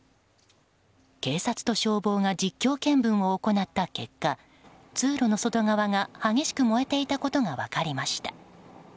警察と消防が実況見分を行った結果通路の外側が激しく燃えていたことが分かりました。